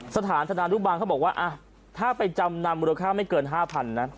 สถานธนานุบาลเขาบอกว่าถ้าไปจำนำมูลค่าไม่เกิน๕๐๐๐นะ